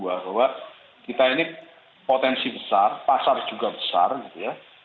bahwa kita ini potensi besar pasar juga besar gitu ya